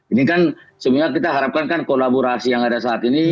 ini kan sebenarnya kita harapkan kan kolaborasi yang ada saat ini